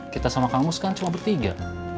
kita sama kamus kan cuma bertiga